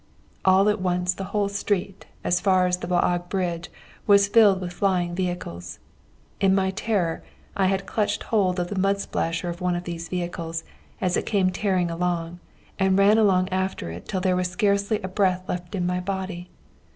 All at once the whole street, as far as the Waag bridge, was filled with flying vehicles. In my terror I had clutched hold of the mud splasher of one of these vehicles as it came tearing along, and ran along after it till there was scarcely a breath left in my body.